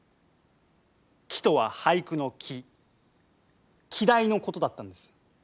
「き」とは俳句の「季」季題の事だったんです。